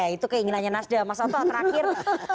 itu keinginannya nasdem mas otto terakhir